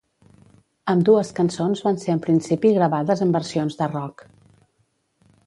Ambdues cançons van ser en principi gravades en versions de rock.